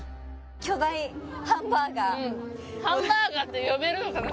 巨大ハンバーガーハンバーガーと呼べるのかな